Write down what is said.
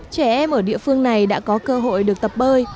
trẻ em ở địa phương này đã có cơ hội được tập bơi